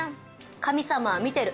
神様は見てる。